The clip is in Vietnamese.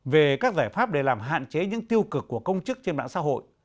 về các giải pháp để làm hạn chế những tiêu cực của công chức trên mạng xã hội